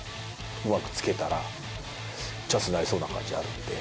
うまくつけたら、チャンスになりそうな感じがあるんで。